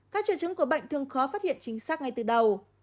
các triệu chứng của bệnh thường khó phát hiện chính xác ngay từ đầu